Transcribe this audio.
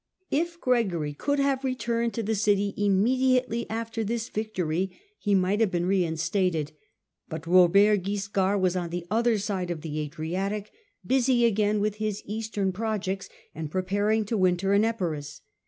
If Gregory could have returned to the city immediately after this victory he might have been reinstated, but Robert Wiscard was on the other side of the Adriatic, busy again with his eastern projects, and preparing to winter in Epirus.